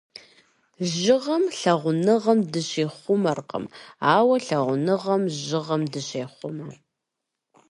Жьыгъэм лъагъуныгъэм дыщихъумэркъым, ауэ лъагъуныгъэм жьыгъэм дыщехъумэ.